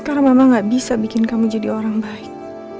karena mama gak bisa bikin kamu jadi orang baik